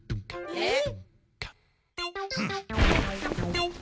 えっ！